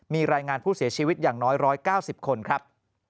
มีรายงานผู้เสียชีวิตอย่างน้อย๑๙๐คนครับ